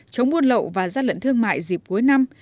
chống buôn lậu và gian lận thương mại dịp cuối năm